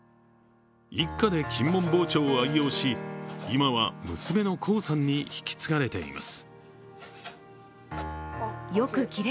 一家で金門包丁を愛用し今は娘の黄さんに引き継がれています。